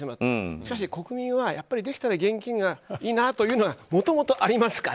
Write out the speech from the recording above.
しかし、国民はやっぱりできたら現金がいいなというのがもともとありますから。